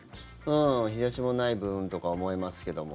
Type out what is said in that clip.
日差しもない分とか思いますけども。